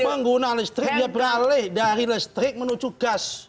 pengguna listrik dia beralih dari listrik menuju gas